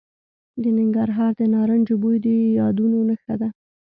د ننګرهار د نارنجو بوی د یادونو نښه ده.